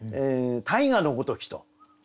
「大河のごとき」と。